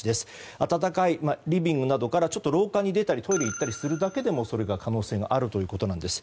暖かいリビングなどからちょっと廊下に出たりトイレに行ったりするだけでもその可能性があるということなんです。